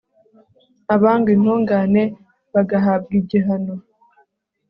abanga intungane bagahabwa igihano